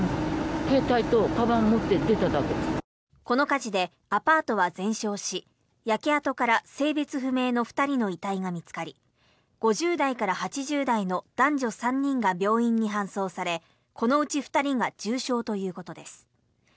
この火事でアパートは全焼し焼け跡から性別不明の２人の遺体が見つかり５０代から８０代の男女３人が病院に搬送されこのうち２人が重傷ということです。